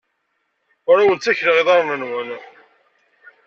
Ur awen-ttakleɣ iḍarren-nwen.